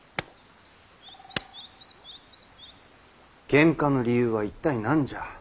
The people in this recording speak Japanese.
けんかの理由は一体何じゃ？